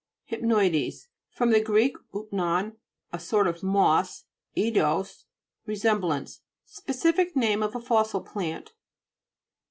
HYPNOIDES fr. gr. upnon, a sort of moss, eidos, resemblance. Speci fic name of a fossil plant.